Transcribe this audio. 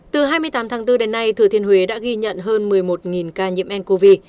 từ hai mươi tám tháng bốn đến nay thừa thiên huế đã ghi nhận hơn một mươi một ca nhiễm ncov